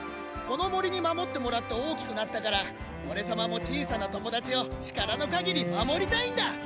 この森に守ってもらって大きくなったからおれ様も小さな友達を力の限り守りたいんだ！